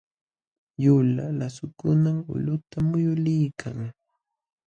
Yulaq lasukunam ulquta muyuliykan.